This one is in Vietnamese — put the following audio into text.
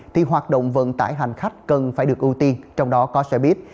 thì hoạt động vận tải hành khách cần phải được ưu tiên trong đó có xe buýt